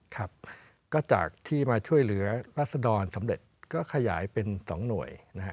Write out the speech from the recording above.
ครับก็จากที่มาช่วยเหลือรัศดรสำเร็จก็ขยายเป็น๒หน่วยนะฮะ